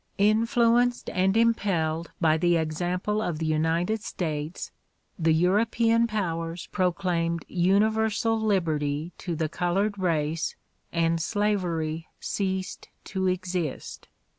Influenced and impelled by the example of the United States, the European powers proclaimed universal liberty to the colored race and slavery ceased to exist.